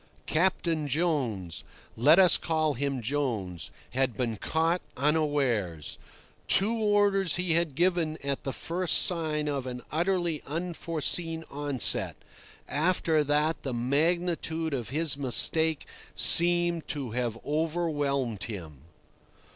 Captain Jones—let us call him Jones—had been caught unawares. Two orders he had given at the first sign of an utterly unforeseen onset; after that the magnitude of his mistake seemed to have overwhelmed him.